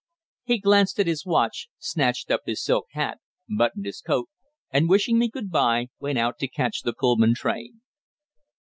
He glanced at his watch, snatched up his silk hat, buttoned his coat, and, wishing me good bye, went out to catch the Pullman train.